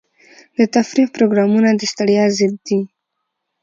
د تفریح پروګرامونه د ستړیا ضد دي.